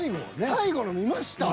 最後の見ました？